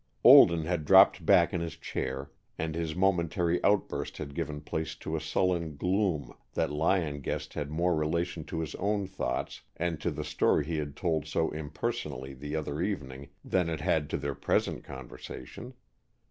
Olden had dropped back in his chair and his momentary outburst had given place to a sullen gloom that Lyon guessed had more relation to his own thoughts and to the story he had told so impersonally the other evening than it had to their present conversation.